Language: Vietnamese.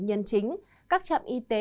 nhân chính các trạm y tế